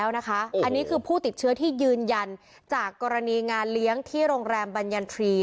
วันนี้งานเลี้ยงที่โรงแรมบัญญันทรีย์